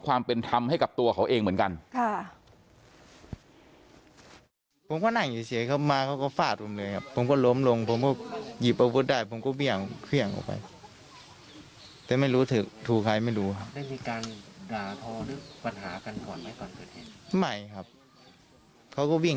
ความเป็นธรรมให้กับตัวเขาเองเหมือนกัน